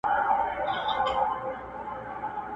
شیطان په زور نیولی،